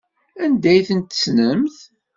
Anda ay tent-tessnemt?